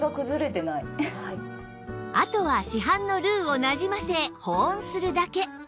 あとは市販のルウをなじませ保温するだけ